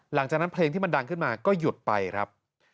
หลังจากนั้นเพลงที่มันดังขึ้นมาก็หยุดไปครับ